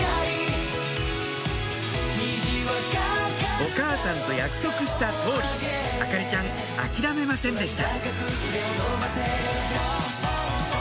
お母さんと約束した通り燈里ちゃん諦めませんでした